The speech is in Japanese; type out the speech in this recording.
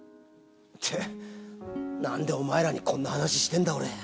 って何でお前らにこんな話してんだ俺。